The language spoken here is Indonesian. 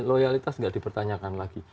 loyalitas enggak dipertanyakan lagi